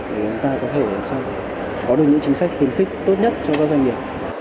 để chúng ta có thể làm sao có được những chính sách khuyến khích tốt nhất cho các doanh nghiệp